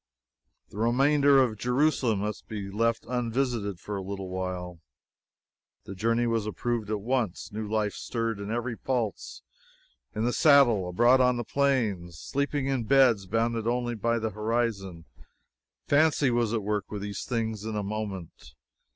The remainder of Jerusalem must be left unvisited, for a little while. The journey was approved at once. New life stirred in every pulse. In the saddle abroad on the plains sleeping in beds bounded only by the horizon: fancy was at work with these things in a moment.